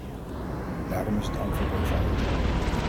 Daarom is het antwoord eenvoudig.